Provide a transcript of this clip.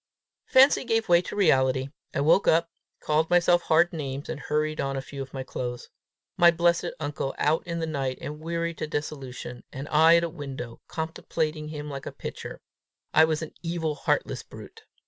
Fancy gave way to reality. I woke up, called myself hard names, and hurried on a few of my clothes. My blessed uncle out in the night and weary to dissolution, and I at a window, contemplating him like a picture! I was an evil, heartless brute!